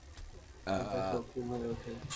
আকাশ রক্তিম হয়ে ওঠে।